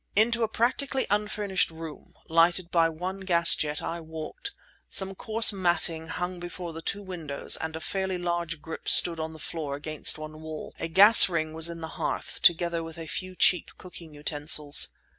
Into a practically unfurnished room, lighted by one gas jet, I walked. Some coarse matting hung before the two windows and a fairly large grip stood on the floor against one wall. A gas ring was in the hearth, together with a few cheap cooking utensils.